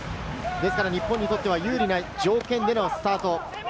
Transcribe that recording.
ですから日本にとっては有利な条件でのスタート。